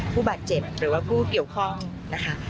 ผู้บาดเจ็บหรือว่าผู้เกี่ยวข้องนะคะ